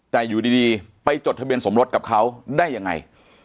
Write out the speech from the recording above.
แต่อยู่ดีไปจดทะเบียนสมรสกับเขาได้ยังไง